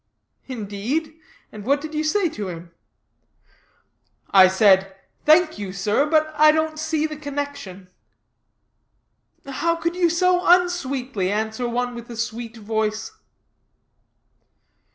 "Indeed, and what did you say to him?" "I said, 'Thank you, sir, but I don't see the connection,'" "How could you so unsweetly answer one with a sweet voice?"